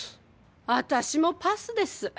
私もパスです。